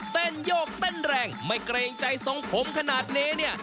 เต้นโยกเต้นแรงไม่เกรงใจส่องผมขนาดนี้